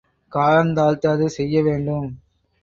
காலந்தாழ்த்தாது செய்ய வேண்டும்.